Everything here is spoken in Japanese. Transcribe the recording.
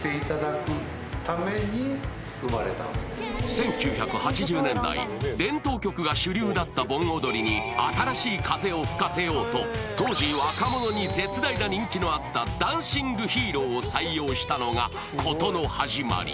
１９８０年代伝統曲が主流だった盆踊りに新しい風を吹かせようとのあった「ダンシング・ヒーロー」を採用したのがことの始まり